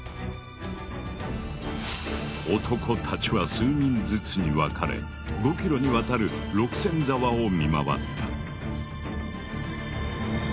男たちは数人ずつに分かれ５ｋｍにわたる六線沢を見回った。